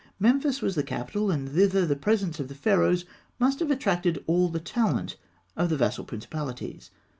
Memphis was the capital; and thither the presence of the Pharaohs must have attracted all the talent of the vassal principalities.